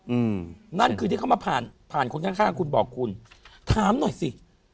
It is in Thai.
อืมนั่นคือที่เขามาผ่านผ่านคนข้างข้างคุณบอกคุณถามหน่อยสิ